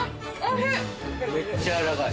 ・めっちゃ軟らかい・